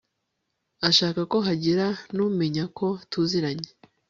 ashaka ko hagira numenya ko tuziranye